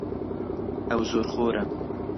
ئەو زۆرخۆرە.